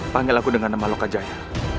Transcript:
panggil aku dengan nama loka jaya